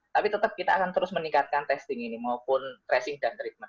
tapi tetap kita akan terus meningkatkan testing ini maupun tracing dan treatment